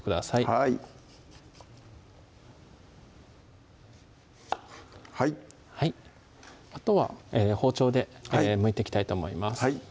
はいはいはいあとは包丁でむいていきたいと思います